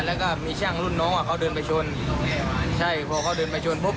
แล้วก็มีช่างรุ่นน้องอ่ะเขาเดินไปชนใช่พอเขาเดินไปชนปุ๊บ